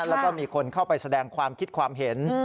แล้วก็มีคนเข้าไปแสดงความคิดความเห็น